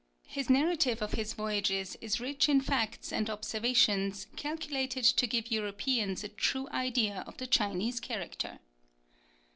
His narrative of his voyages is rich in facts and observations calculated to give Europeans a true idea of the Chinese character.